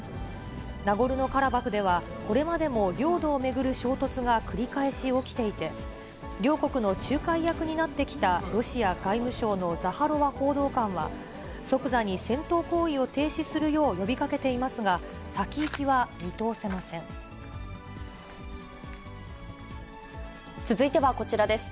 ナゴルノカラバフでは、これまでも領土を巡る衝突が繰り返し起きていて、両国の仲介役になってきたロシア外務省のザハロワ報道官は、即座に戦闘行為を停止するよう呼びかけていますが、先行きは見通続いてはこちらです。